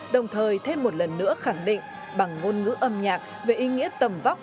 đồng thời thêm một lần nữa khẳng định bằng ngôn ngữ âm nhạc về ý nghĩa tầm vóc